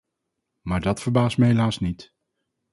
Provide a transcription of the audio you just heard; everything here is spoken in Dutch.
Maar dat verbaast me helaas niet.